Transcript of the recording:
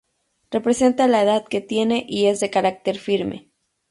Representa la edad que tiene y es de carácter firme.